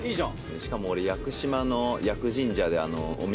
「しかも俺屋久島の」